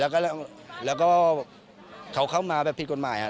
แล้วก็แล้วแล้วก็เขาเข้ามาแบบผิดกฎหมายอ่ะ